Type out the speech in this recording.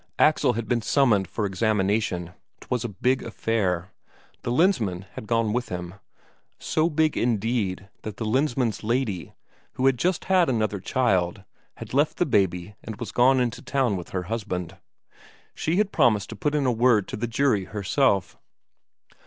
Axel had been summoned for examination; 'twas a big affair the Lensmand had gone with him so big indeed that the Lensmand's lady, who had just had another child, had left the baby and was gone in to town with her husband. She had promised to put in a word to the jury herself.